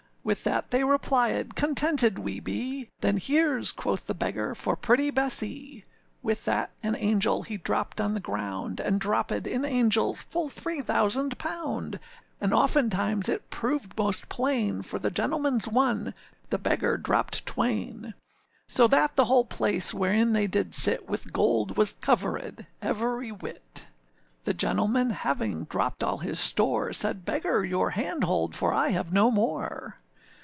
â With that they replièd, âContented we be!â âThen hereâs,â quoth the beggar, âfor pretty Bessee!â With that an angel he dropped on the ground, And droppèd, in angels, full three thousand pound; And oftentimes it proved most plain, For the gentlemanâs one, the beggar dropped twain; So that the whole place wherein they did sit, With gold was coverèd every whit. The gentleman having dropped all his store, Said, âBeggar! your hand hold, for I have no more.